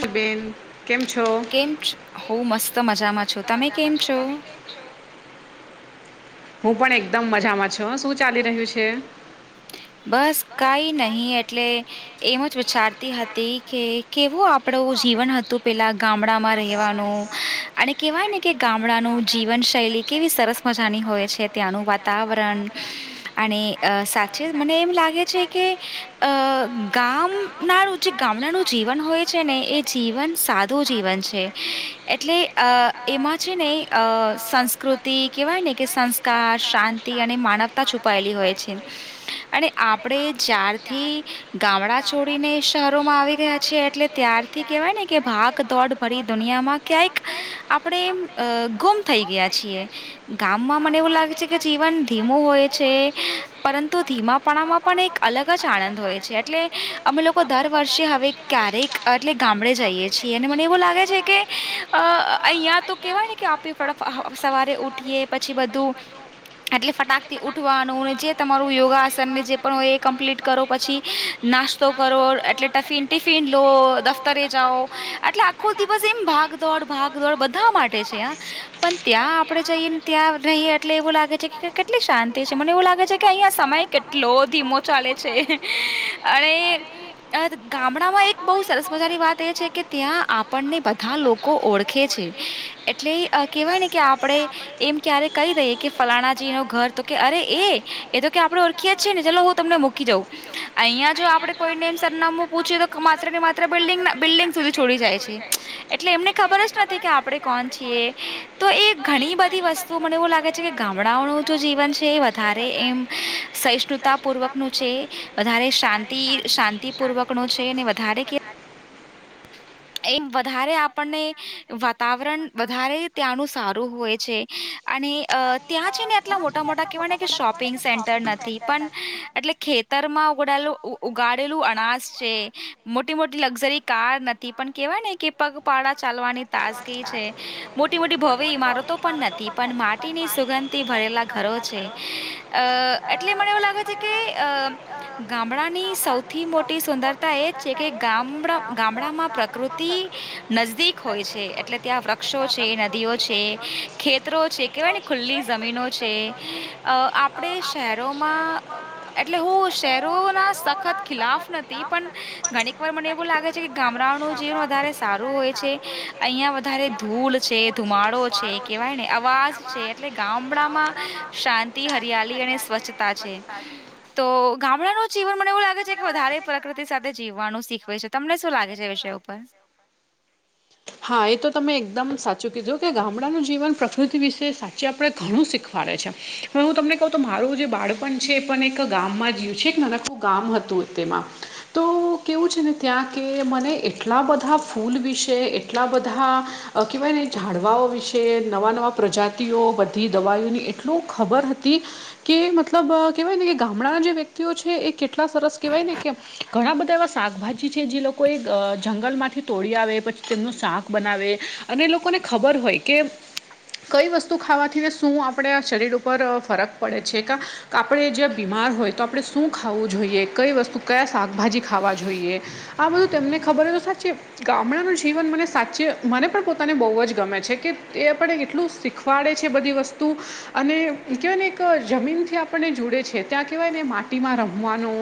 સુબેન કેમ છો? હું પણ એકદમ મજામાં છું, શું ચાલી રહ્યું છે? બસ કઈ નહી, એટલે એમ જ વિચારતી હતી કે, કેવું આપણું જીવન હતું, પેલા ગામડામાં રહેવાનું. અને કેહેવાય ને કે, ગામડાનું જીવન શૈલી કેવી સરસ મજાની હોય છે. ત્યાંનું વાતાવરણ અને અ સાચ છે, મને એમ લાગે છે કે, અ ગામનાર જે ગામડાનું જીવન હોય. છે ને, એ જીવન સાદું જીવન છે, એટલે એમાં છે ને અ સંસ્કૃતિ કહેવાય ને કે, સંસ્કાર શાંતિ અને માનવતા છુપાયેલી હોય છે. [unintelligible] થી કેવાય ને કે, ભાગ-દોડ ભરી દુનિયામાં ક્યાંક આપણે ગુમ થઈ ગયા છીએ, ગામમાં મને એવું લાગે છે કે, જીવન ધીમું હોય છે, પર તો ધીમાપણામાં પણ એક અલગ જ આનંદ હોય છે, એટલે અમે લોકો દર વર્ષે હવે ક્યારેક એટલે ગામડે જઈએ છીએ, અને મને એવું લાગે છે કે, અ અહીયાં તો કેવાય કે, આપી સવારે ઉઠીએ પછી બધું એટલે ફટાક થી ઉઠવાનું જે યોગસને જે પણ હોય, એ કમ્પ્લીટ કરો, પછી નાસ્તો કરો, એટલે ટફિન ટિફિન લો દફતરે જાઓ, એટલે આખો દિવસ એમ ભાગદોડ ભાગ દોડ બધા માટે છે આ. પણ ત્યાં આપડે જઈએ ને, ત્યાં રહીએ એટલે એવું લાગે છે કે, કેટલી શાંતિ છે મને એવું લાગે છે. કે અહીંયા સમય કેટલો ધીમો ચાલે છે, અને ગામડામાં એક બહુ સરસ મજાની વાત એ છે કે, ત્યાં આપણને બધા લોકો કો ઓળખે છે, એટલે કેહેવાય ને કે, આપણે એમ ક્યારે કહી દઈએ કે, ફલાણાજી નો ઘર તો કે, અરે એ એ તો કે આપડે ઓળખી જ છે ને, ચાલલો હું તમને મૂકી જાઉં. અહિયાં જો આપડે કોઈ નેમ સરનામું પૂછીયએ તો, માત્ર ને માત્ર બિલ્ડંગ બિલ્ડિંગ સુધી છોડી જાય છે. એટલે એમને ખબર જ નથી કે, આપડે કોણ છીએ તો, એ ઘણી બધી વસ્તુ મને એવું લાગે. કે ગામડાઓનું જો જીવન છે, એ વધારે એમ. સહિષ્ણુતા પૂર્વક નું છે, વધારે શાંતિ શાંતિપૂર્વક નું છે, અનેને વધારે કે એમ વધારે આપણને વાતાવરણ વધારે ત્યાંનું સારું હોય છે. અને ત્યાં છે ને, આટલા મોટા મોટા કેહેવા ને કે, શોપિંગ સેન્ટર નથી, પણ એટલે ખેતરમાં ઉગડાયેલું ઉગાડેલું અનાજ છે, મોટી-મોટી લક્ઝરી કાર નથી. પણ કેવાય ને કે, પગપાળા ચાલવાની તાજગી છે, મોટી-મોટી ભવ્ય ઈમારતો પણ નથી. પણ માટીની સુગંધી ભરેલા ઘરો છે, અ એટલે મને એવું લાગે છે કે, અ ગામડાની સૌથી મોટી સુંદરતા એજ છે કે, ગામ ગામડામાં પ્રકૃતિ નજદીક હોય છે, એટલે ત્યાં વૃક્ષો છે. દી છે, ખેતરો છે, કેવાયની ખુલ્લી જમીનો છે. આપણે શહેરોમાં એટલે હું શહેરો ના સખત ખિલાફ નથી, પણ ઘણીક વાર મને એવું લાગે છે કે, ગામડાઓ જીવન વધારે સારું હોય છે, અહિયાં વધારે ધૂલ છે, ધુમાડો છે. કેવાય ને અવાજ છે, એટલે ગામડામાં શાંતિ હરિયાળલી અને સ્વચ્છતા. ત છે. તો ગામડાનું જીવન મને એવું લાગે છે કે, વધારે પ્રકૃતિ સાથે જીવવાનું શીખવે છે, તમને શું લાગે છે વિ ઉપર. હા, એ તો તમે એકદમ સાચું કીધું કે, ગામડાનું જીવન પ્રકૃતિ વિશે સાચી આપણે ઘણું શીખવા ફાડે છે, પણ હું તમને કહું તો મારું જે બાળપણ છે, એ પણ એક ગામમાં જયું છે, એક નાનકું ગામ હતું. તો કેવું છે ને, ત્યાં કે મને એટલા બધા ફૂલ વિશે એટલા બધા કવાય ને, ઝડવાઓ વિશે છે. નવા-નવા પ્રજાતિઓ બધી દવાઈઓની એટલું ખબર હતી. કે મતલબ કેવાય ને કે, ગામડા જે વ્યક્તિઓ છે, એ કેટલા સરસ કેહેવાય ને કે ઘણા બધા એવા શાકભાજી છે, જે લોકો એક જંગલ માંથી તોડી આવે, પછી તેમનું શાક બનાવે, અને એ લોકોને ખબર હોય કે કઈ વસ્તુ ખાવાથી ને શું આપણે શરીર ઉપર ફરક પડે છે કે? આપણે જ્યાં બીમાર હોય તો, આપણે શું ખાવું જોઈએ? કઈ વસ્તુ કયા શાકભાજી ખાવા જોઈએ? આ બધું તને ખબર હોય તો, સાચી ગામડાનું જીવન મને સાચી મને પણ પોતાને બહુ જ ગમે છે કે, એ પણ એટલું શીખવાડે છે બધી વસ્તુ્. અને કહેવાય ને, એક જમીનથી આપણને જોડે છે, ત્યાં કહેવાય ને માટીમાં રમવાનો.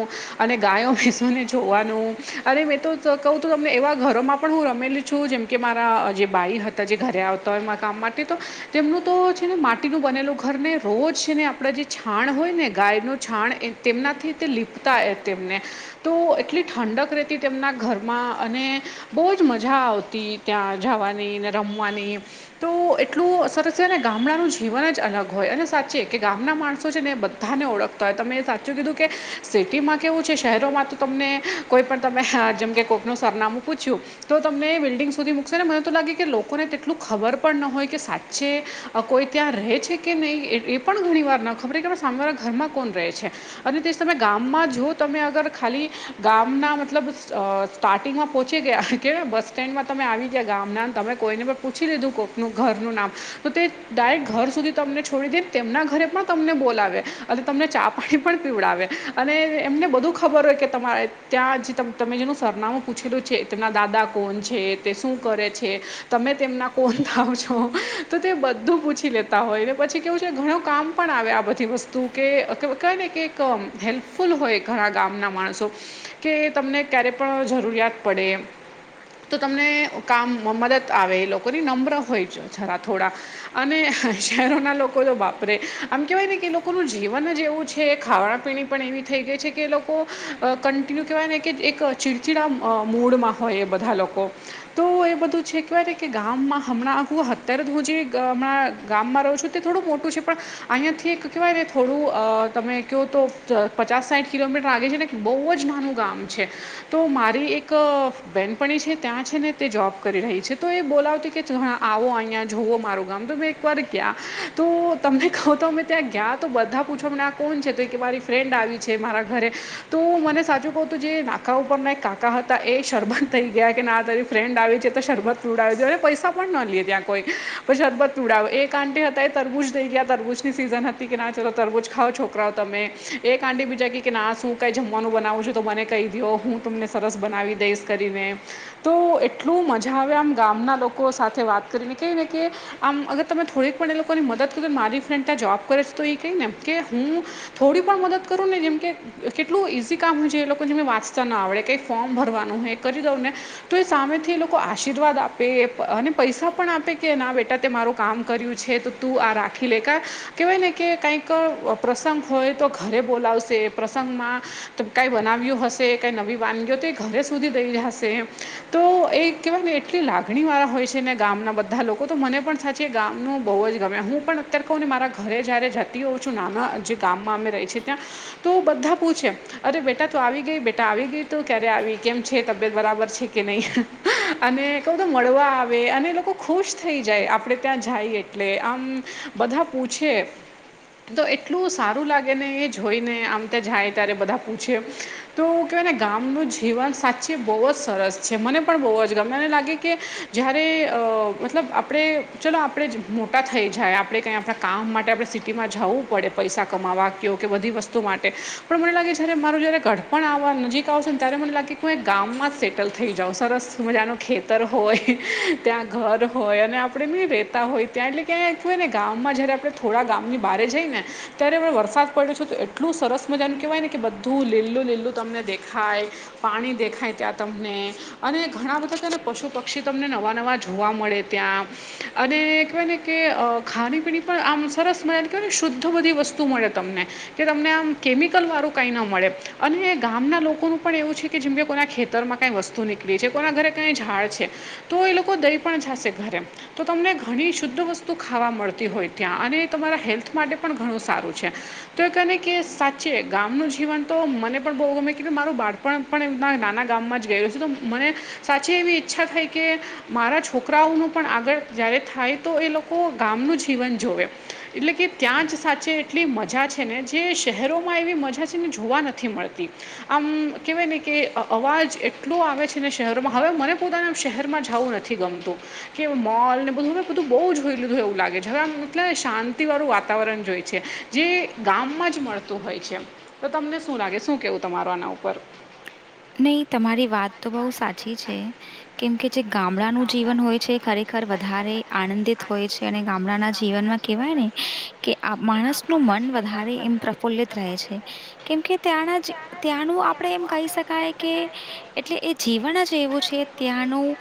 અને ગાયો બેસોને જોવાનું, અને મેં તો કહું તો, તમને એવા ઘરોમાં પણ હું રમેલી છું, જેમ કે મારા જે બાઈ હતા, જે ઘરે આવતા હોય કામ માટે તો તેમનું તો છે ને, માટીનું બનેલું ઘર ને રોજ છે ને, આપણે જે છાણ હોય ને, ગાયનું છાણ, તેમનાથી તે લીપતા એ તેમને. તો એટલી ઠંડક રહેતી તેમના ઘરમાં, અને બહુ જ મજા આવતી. ત્યાં જવાની ને, રમવાની. તો એટલું સરસ ને ગામડાનું જીવન જ અલગ હોય, અને સાચે કે ગામના માણસો છે ને. બધાને ઓળખતા હોય, તમે એ સાચું કીધું કે, સિટીમાં કેવું છે, શહેરોમાં તો તમને કોઈ પણ તમે જેમ કે કોકનું સરનામું પૂછ્યું તો, તમને બિલ્ડિંગ સુ મકશેને, મને તો લાગે કે લોકોને તેટલું ખબર પણ હોય કે, સાચે કોઈ ત્યાં રહે છે. કે નહીં એ પણ ઘણીવાર ન ખબરે કે, પણ સામેવારાા ઘરમાં કોણ રહે છે? અને તે સમયમે ગામમાં જો તમે અગર ખાલી ગામના મતલબ સ્ટાર્ટિંગમાં પહોંચી ગયા કે, બસ સ્ટેન્ડમાં? તમે આવી ગયા, ગામના તમે કોઈને પણ પૂછી લીધું, કોકનું ઘરનું નામ તોતે. ડાયરેક્ટ ઘર સુધી તમને છોડી દે, તેમના ઘરે પણ તમને બોલાવે, અને તમને ચા-પાણી પણ પીવડાવે. અને એમને બધું ખબર હોય કે, તમારે ત્યાં જે તમે જેનું સરનામું પૂછેલું છે. તેના દાદા કોણ છે? શું કરે છે, તમે તેમના કોણ થાવ છો, તો તે બધું પૂછી લે. હોય પછી કેવું છે ઘણું કામ પણ આવે આ બધા. વસ્તુ કે કને કે હેલ્પફુલ હોય ઘણા ગામના માણસો, કે તમને ક્યારેય પણ જરૂરિયાત પડે. તમને કામમાં મદદ આવે એ લોકોની નમ્ર હોય છે જરા થોડા. અને શહેરોના લોકોતો બાપરે, આમ કેવાય નેકે લોકોનું જીવન જ એવું છે. છે, ખાવા- પીણી પણ એવી થઈ ગઈ છે, કેએ લોકો કન્ટિન્યુ કહેવાય નેકે એક ચીડચીડા મૂડમાં હોય એ બધા લોકો. તોએ બધું છે કેવાય કે ગામમાં હમણાં હું અત્યારે હુંજે હમણાં ગામમાં રહું છું. તે થોડું મોટું છે, પણ અહીંયાથી એક કેવાયને થોડું અ તમે કહોતો પચાસ સાઠ કિલોમીટર લાગે છે, ને. બહુ જ નાનું ગામ છે, તો મારી એક બેહેનપણી છે. ત્યાં છે, નેતે જોબ કરી રહી છે, તોએ બોલાવતી કે આવો અહીંયા જોવો મારું ગામ તોમે એક ગયાતો તમને કહું તો અમે ત્યાં ગયા તો બધા પૂછવાને આ કોણ છે તો મારી ફ્રેન્ડ આવી છે, મારા ઘરેતો મને સાચું કહું હતું જે નાકા ઉપરના એક કાકા હતા એ શરબંધ થઈ ગયા, કેના તરી ફ્રેન્ડ આવી છે, તો શરબત પીવડાવે છે, પૈસા પણ ન લઈએ ત્યાં કોઈપણ, શરબત તુડાવો એક આંટી હતા એ તરબૂચ દઈ ગયા હતા તરબૂચની સિઝન હતી કેના ચાલો તરબૂચ ખાવઓ છોકરાઓ તમે. એ કાંડી બીજા કે કેના શું કાંઈ જમવાનું બનાવું છું તો મને કહીદો હું તમને સરસ બનાવી દઈશ કરીને. તો એટલું મજા આવે આમ ગામના લોકો સાથે વાત કરીને કેવી નેકે આમ અગર તમે થોડીક પણ એ લોકોની મદદ કરે મારી ફ્રેન્ડતો જોબ કરે છે તોએ કહીને કેહું. થોડી પણ મદદ કરું ને જેમ કે કેટલું ઈઝી કામ હોય છે એ લોકોને જેમ વાંચતા ના આવડે કંઈક ફોર્મ ભરવાનું હોએ કરી દઉંને તોએ સામેથી એ લોકો આશીર્વાદ આપે અને પૈસા પણ આપે કેના બેટા તે મારો કામ કર્યું છે તોતું આ રાખીલે, ક કહેવાય નેકે કંઈક પ્રસંગ હોય તો ઘરે બોલાવશે પ્રસંગમાં, કંઈ બનાવ્યું હશે કંઈ નવી વાનગીઓતે ઘરે સુધી દઈ જશે. તોએ કેહેવાયને એટલી લાગણી વાળા હોય છે ને ગામના બધા લોકો તો મને પણ સાચી જે ગામનું બહુ જ ગમે ત્યાં હું પણ અત્યારે કહુંને મારા ઘરે જ્યારે જાય. અતિ ઓછું નાના જે ગામમાં અમે રએ છીએ ત્યાં તો બધા પૂછે, અરે બેટા તો આવી ગઈ બેટા આવી ગઈ તો ક્યારે આવી કેમ છે તબિયત બરાબર છે. કે નહીં? અને કઉ તો મળવા આવે અને લોકો ખુશ થઈ જાય આપડે ત્યાં જાય એટલે આમ બધા પૂછે. તો એટલું સારું લાગેને એ જોઈને આમ ત્યાં જાય ત્યારે બધા પૂછે. તો એવું કહેવાયને ગામનું જીવન સાચી બહુજ સરસ. છે, મને પણ બહુજ ગમે મને લાગે કે, જયારે મતલબ આપણે ચલો આપણે મોટા થઈ જાય આપણે કાંઈ આપણા કામ માટે આપણે સિટીમાં જવું પડે પૈસા કમાવા કેવું કે બધી વસ્તુ માટે, પણ મને લાગે જ મારું જયારે ઘર પણવા નજીક આવશેને ત્યારે મને લાગે હું ગામમાં સેટલ થઈ જાવ સરસ મજાનું ખેતર હોય, ત્યાં ઘર હોય અને આપણેને રેતા હોય ત્યાં એટલે કેવાં એવુંયને ગામમાં જ્યારે આપણે થોડા ગામની બારે જઈને. ત્યારે હવે વરસાદ પડ્યો છે તો એટલું સરસ મજાનું કેહેવાય નેકે બધું લીલું લીલું તમને દેખાય. પાણી દેખાય ત્યાં તમને. અને ઘણા બધા છે, ને પશુ પક્ષી તમને નવા નવા જોવા મળે ત્યાં. અને કહેવાય નેકે ખાણી પીણી પણ આમ સરસ મજા કહેવાયને શુદ્ધ બધી વસ્તુ મળે તમને. કે તમને આમ કેમિકલવાળું કંઈના મળે, અને ગામના લોકોનું પણ એવું છે. જેમ કે કોઈના ખેતરમાં કાંઈ વસ્તુ નીકળી છે, કોઈના ઘરે કઇ ઝાડ છે. તો એ લોકો દઈ પણ જાશે ઘરે. તો તમને ઘણી શુદ્ધ વસ્તુઓ ખાવા મળતી હોય ત્યાં, અને તમારા હેલ્થ માટે પણ ઘણું સારું છે. તો એ કહે કે સાચે ગામનું જીવન તો મને પણ બહુ ગમે, મારું બાળ પણ પણએમના નાના ગામમાં જ ગયું. મને સાચી એવી ઈચ્છા થઈ કે મારા છોકરાઓનું પણ આગળ જ્યારે થાય તો એ લોક ગામનુ જીવન જોવે, એટલે કે ત્યાં જ સાચે એટલી મજા છે ને જ જે શહેરોમાં એવી મજા છે ને, એ જોવા નથી મળતી. આમ કહેવાય ને કે અવાજ એટલું આવે છે ને, શહેરોમાં હવે મને પોતાને આમ શહેરમાં જાવું નથી ગમતું. કે મોલ ને બધું, હા, બધું બહુ જોઈ લીધું એવું લાગે છે હવે. શાંતિભર્યું વાતાવરણ જોયું છે. જે ગામમાં જ મળતું હોય છે. તો તમને શું લાગે? શું કહેવું તમારું આના ઉપર? નહીં, તમારી વાત તો બહુ સાચી છે. કેમ કે જે ગામડાનું જીવન હોય છે એ ખરેખર વધારે આનંદિત હોય છે અને ગામડાના જી જીવનમાં કહેવાય ને કે આ માણસનું મન વધારે એમ પ્રફુલ્લિત રહે છે. કેમ કે ત્યાંનું જી ત્યાંનું આ આપણે એમ કહી શકાય કે એટલે એ જીવન જ એવું છે ત્યાંનું.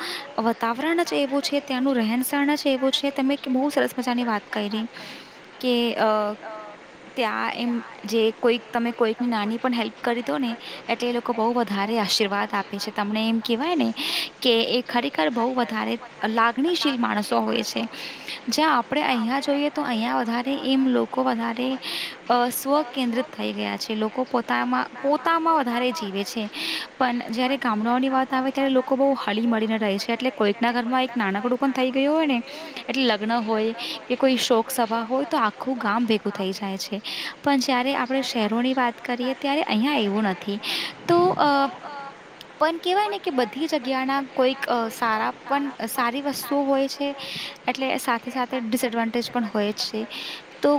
વાતાવરણ જ એવું છે ત્યાંનું, રહેણી-સહેણી જ એવી છે. તમે બહુ સરસ મજાની વાત કરી. કે અ, ત્યાં એમ જે, કોઈ તમે કોઈક નાની પણ હેલ્પ કરી દો ને, એટલે એ લોકો બહુ વધારે આશીર્વાદ આપે છે તમને. એમ કહેવાય ને કે એ ખરેખર બહુ વધારે લાગણીશીલ માણસો હોય છે. જ્યાં આપણે અહીંયા જોઈએ તો અહીંયા વધારે એમ લોક કો વધારે સ્વકેન્દ્રિત થઈ ગયા છે લોકો, પોતામપોતામાં. વધારે જીવે છે, પણ જ્યારે ગામડાઓની વાત આવે ત્યારે લોકો બહુ હળીમળીને રહે છે. એટલે, કોઈકના ઘરમાં એક નાનકડું પણ થઈ ગયું હોય ને. એટલે લગ્ન હોય કે કોઈ શોકસભા હોય, તો આખું ગામ ભેગું થઈ જાય છે. પણ જ્યારે આપણે શહેરોની વાત કરીએ ત્યારે અહીં એવું નથી, તો અ, પણ કહેવાય ને કે બધી જગ્યાના કોઈક સારા પણ સારી વસ્તુ પણ હોય છે. એટલે સાથે સાથે ડિસએડવાન્ટેજ પણ હોય જ છે. તો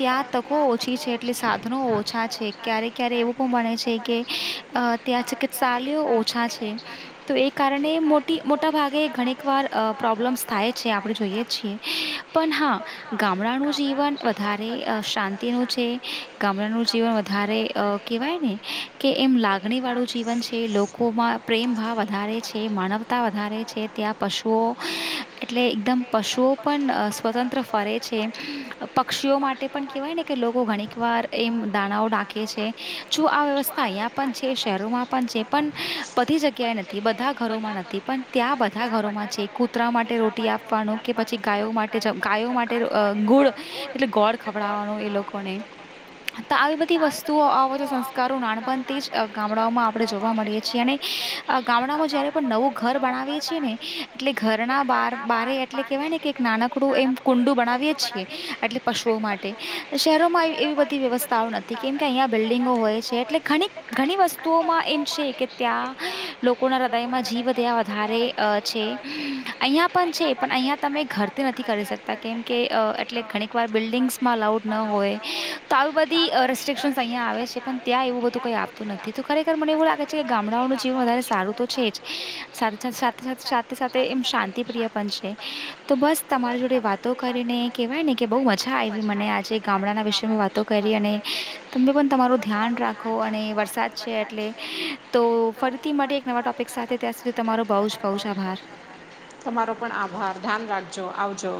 ત્યાં તકો ઓછી છે, એટલે સાધનો ઓછા છે. ક્યારેક ક્યારેક એવું પણ બને છે. કે ત્યાં ચિકિત્સાલયો ઓછા છે. તો એ કારણે મોટા ભાગે ઘણીક વાર પ્રોબ્લેમ્સ થાય છે, આપણે જોઈએ છીએ. પણ હા, ગામડાનું જીવન વધારે શાંતિ નુ છે. ગામડાનું જીવન વધારે, અ કહેવાય ને. કે એમ, લાગણીવાળું જીવન છે. લોકોમાં પ્રેમભાવ વધારે છે, માન તા વધારે છે પશુઓ, એટલે એકદમ પશુઓ પણ સ્વતંત્ર ફરે છે. પક્ષીઓ માટે પણ કહેવાય ને કે લોકો ઘણી વાર એમ દાણાઓ નાખે છે, શું આ વ્યવસ્ અહીં પણ છે, શહેરોમાં પણ છે, પણ બધી જગ્યાએ નથી, બધા ઘરોમાં ન પણ ત્યાં બધા ઘરોમાં છે, કૂતરા માટે રોટલી આપવાનું કે પછી ગાયો માટ ટે ગાયો માટે ગુડ એટલે ગોળ ખવડાવવાનો એ લોકોને. આવી બધી વસ્તુઓ આવે તો સંસ્કારો ના પણ તે જ ગામડાઓમાં આપણે જોવા મળીએ છીએ, અને ગામડાઓમાં. જ્યારે પણ નવું ઘર બનાવીએ છીએ ને, એટલે ઘરના બાર્ બારે એટલે કહેવાય ને કે. નાનકડું એમ કુંડું બનાવીએ છીએ ને, એટલે પશુઓ માટે, શહેરોમાં એવ એવી બધી વ્યવસ્થાઓ નથી, કેમ કે અહીંયા બિલ્ડિંગો હોય છે. એટલે ઘણી ઘણી વસ્તુઓમાં એમ છે કે ત્યાં લોકોના હૃદયમાં જીવ ત્યાં વધારે અહ છે. અહીંયા પણ છે પણ અહીંયા તમે ઘરથી નથી કરી શકતા, કેમ કે અહ એટલે ઘણી બાર બિલ્ડિંગ્સમાં અલાઉડ ન હોય, તો આવી બધી રેસ્ટ્રિક્શન્સ અહીંયા આવે છે, પણ ત્યાં એવું બધું કંઈ આવતું નથી, તો ખરેખર મને લાગે છે કે ગામડાઓનું જીવન વધારે સારું તો છે જ સારથ સાથ સાથે સાથે એમ શાંતિ પ્ર્રિય પણ છે તો બસ તમારી જોડે વાત તો કરીને કેવાયને કે બહુ મજા આવી મને આજે ગામડાના વિશે વાતો કરી અને તમે પણ તમારું ધ્યાન રાખો અને વરસાદ છે એટલે તો તો ફરીથી માટે એક નવા ટોપિક સાથે ત્યાં સુધી તમારો બઉ જ બહુ જ આભાર. તમારો પણ આભાર ધ્યાન રાખજો આવજો.